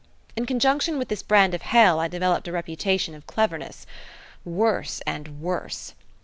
In conjunction with this brand of hell I developed a reputation of cleverness. Worse and worse!